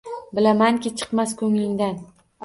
Bilamanki, chiqmas ko’nglingdan